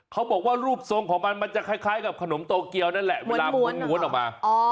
เขาบอกว่ารูปทรงของมันมันจะคล้ายกับขนมโตเกียวนั่นแหละเวลาม้วนออกมา